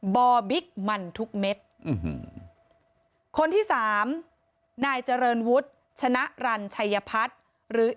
บอบิ๊กมันทุกเม็ดคนที่สามนายเจริญวุฒิชนะรันชัยพัฒน์หรือ